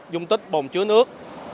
dung tích bồng chữa nước